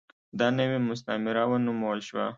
دا نوې مستعمره ونومول شوه.